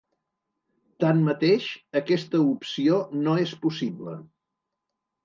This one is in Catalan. Tanmateix, aquesta opció no és possible.